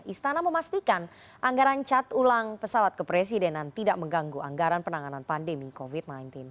istana memastikan anggaran cat ulang pesawat kepresidenan tidak mengganggu anggaran penanganan pandemi covid sembilan belas